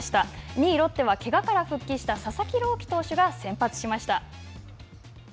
２位ロッテは、けがから復帰した佐々木朗希投手が先発しました。